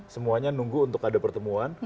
semuanya nunggu untuk ada pertemuan